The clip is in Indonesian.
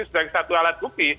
sebagai satu alat bukti